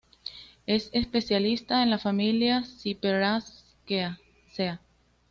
Es especialista en la familia Cyperaceae.